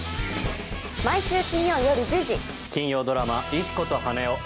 毎週金曜夜１０時金曜ドラマ「石子と羽男」